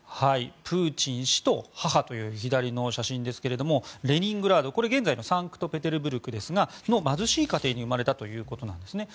プーチン氏と母という左の写真ですがレニングラード、現在のサンクトペテルブルクですがそこの貧しい家庭に生まれたということです。